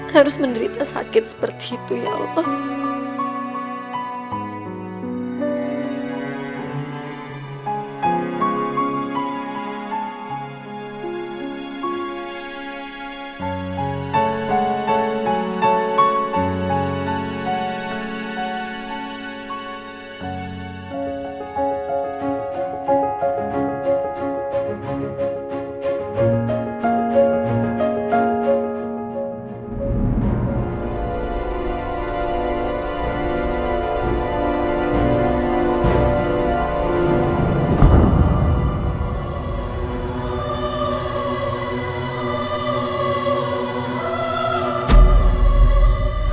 harus menderita sakit seperti itu ya allah